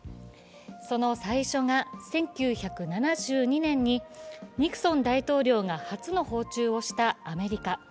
その最初が１９７２年にニクソン大統領が初の訪中をしたアメリカ。